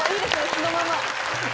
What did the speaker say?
素のまま。